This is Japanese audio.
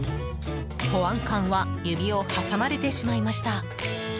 保安官は指を挟まれてしまいました。